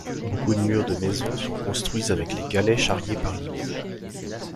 Beaucoup de murs de maisons sont construits avec les galets charriés par l'Ibie.